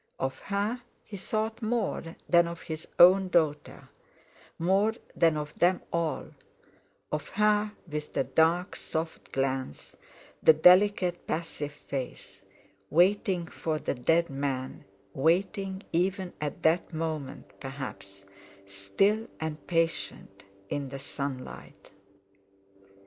Of her he thought more than of his own daughter, more than of them all—of her with the dark, soft glance, the delicate passive face, waiting for the dead man, waiting even at that moment, perhaps, still and patient in the sunlight.